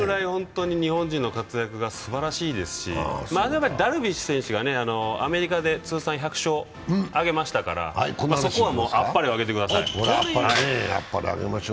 それぐらい日本人の活躍がすばらしいですし、ダルビッシュ選手がアメリカで通算１００勝目を挙げましたからそこはもう、あっぱれをあげてください。